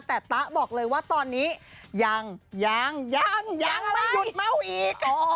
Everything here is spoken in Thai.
แต่ตะบอกเลยว่าตอนนี้ยังยังยังไม่หยุดเมาอีก